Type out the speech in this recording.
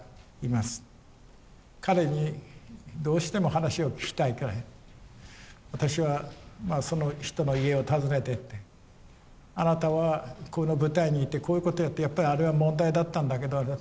彼にどうしても話を聞きたいから私はその人の家を訪ねてってあなたはこの部隊にいてこういうことをやってやっぱりあれは問題だったんだけど。